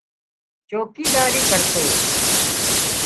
چوڪيداري ڪرتو